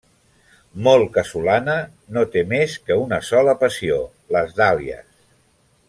Molt casolana, no té més que una sola passió, les dàlies.